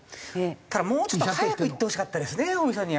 ただもうちょっと早く言ってほしかったですね尾身さんには。